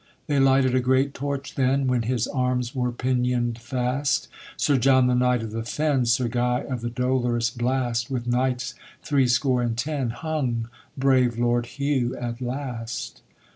They lighted a great torch then, When his arms were pinion'd fast, Sir John the knight of the Fen, Sir Guy of the Dolorous Blast, With knights threescore and ten, Hung brave Lord Hugh at last.